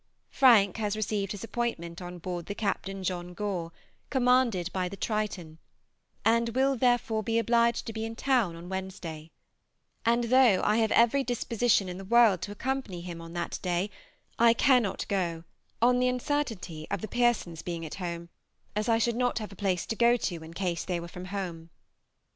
Frank has received his appointment on board the "Captain John Gore," commanded by the "Triton," and will therefore be obliged to be in town on Wednesday; and though I have every disposition in the world to accompany him on that day, I cannot go on the uncertainty of the Pearsons being at home, as I should not have a place to go to in case they were from home.